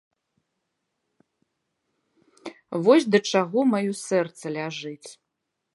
Вось да чаго маё сэрца ляжыць.